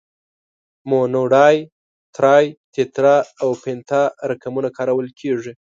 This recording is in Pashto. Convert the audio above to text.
مونو، ډای، ترای، تترا او پنتا رقمونه کارول کیږي.